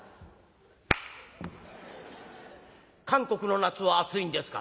「韓国の夏は暑いんですか？」。